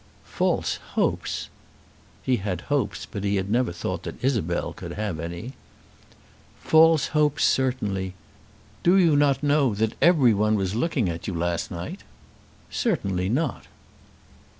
"False hopes!" He had hopes, but he had never thought that Isabel could have any. "False hopes; certainly. Do you not know that everyone was looking at you last night?" "Certainly not."